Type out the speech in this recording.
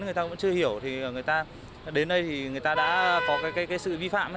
người ta vẫn chưa hiểu thì người ta đến đây thì người ta đã có cái sự vi phạm